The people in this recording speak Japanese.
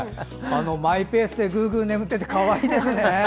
マイペースでグーグー眠っていてかわいいですね。